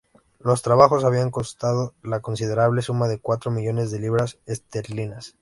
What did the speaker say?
Los trabajos habían costado la considerable suma de cuatro millones de libras esterlinas.